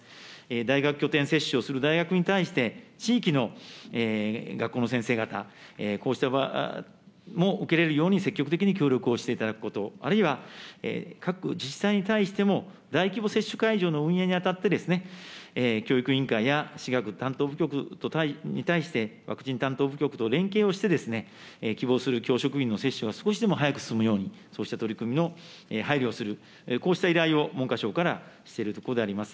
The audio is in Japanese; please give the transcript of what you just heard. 大学拠点接種をする大学に対して、地域の学校の先生方、こうした人も受けれるように積極的に協力をしていただくこと、あるいは、各自治体に対しても、大規模接種会場の運営にあたってですね、教育委員会や私学担当部局に対して、ワクチン担当部局と連携をしてですね、希望する教職員の接種が少しでも早く進むように、そうした取り組みの配慮をする、こうした依頼を文科省からしているところであります。